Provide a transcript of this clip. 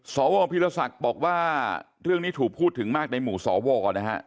สวพีรศักดิ์บอกว่าเรื่องนี้ถูกพูดถึงมากในหมู่สวนะฮะ